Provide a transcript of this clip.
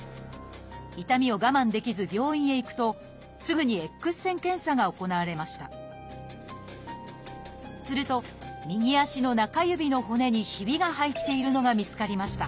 痛みを我慢できず病院へ行くとすぐにＸ線検査が行われましたすると右足の中指の骨にひびが入っているのが見つかりました。